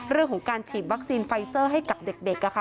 เรื่องของการฉีดวัคซีนไฟเซอร์ให้กับเด็ก